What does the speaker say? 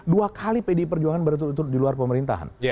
dua kali pdi perjuangan berturut turut di luar pemerintahan